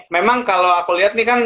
memang kalau aku lihat nih kan